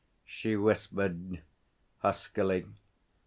she whispered huskily.